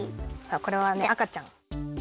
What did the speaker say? これはねあかちゃん。